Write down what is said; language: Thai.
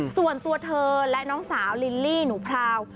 ส่วนตัวเธอและน้องสาวลิลลี่หนูพราว